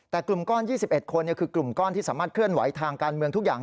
แต่กลุ่มก้อน๒๑คนคือกลุ่มก้อนที่สามารถเคลื่อนไหวทางการเมืองทุกอย่าง